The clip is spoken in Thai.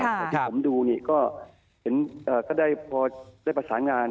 อะแถมดูงี่ก็ก็เห็นเอ่อก็ได้พอได้ประสารงาน